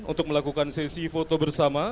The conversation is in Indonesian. untuk melakukan sesi foto bersama